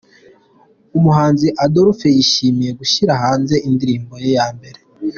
Umuhanzi Adolphe yishimiye gushyira hanze indirimbo ye ya mbere.